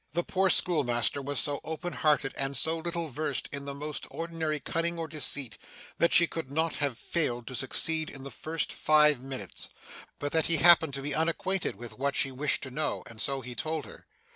The poor schoolmaster was so open hearted, and so little versed in the most ordinary cunning or deceit, that she could not have failed to succeed in the first five minutes, but that he happened to be unacquainted with what she wished to know; and so he told her.